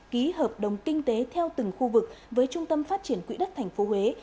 ký hợp đồng kinh tế theo từng khu vực với trung tâm phát triển quỹ đất thành phố huế